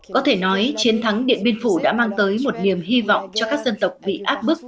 có thể nói chiến thắng điện biên phủ đã mang tới một niềm hy vọng cho các dân tộc bị áp bức